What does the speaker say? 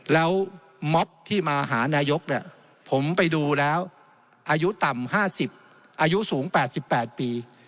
แล้วม็อบที่มาหานายกเนี่ยผมไปดูแล้วอายุต่ำ๕๐อายุสูง๘๘ปี